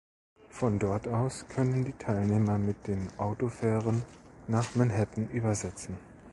Von dort aus können die Teilnehmer mit den Autofähren nach Manhattan übersetzen.